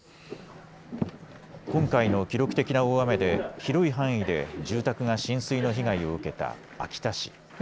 今回の記録的な大雨で広い範囲で住宅が浸水の被害を受けた秋田市。